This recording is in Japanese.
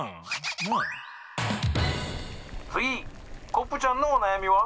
コップちゃんのおなやみは？」。